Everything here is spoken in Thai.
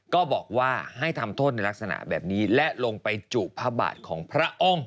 ก็บอกว่าให้ทำโทษในลักษณะแบบนี้และลงไปจุพระบาทของพระองค์